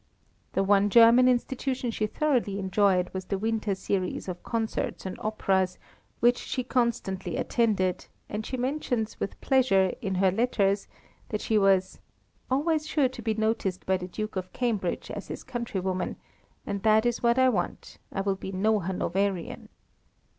The one German institution she thoroughly enjoyed was the winter series of concerts and operas, which she constantly attended, and she mentions with pleasure, in her letters, that she was "always sure to be noticed by the Duke of Cambridge as his countrywoman, and that is what I want; I will be no Hanoverian."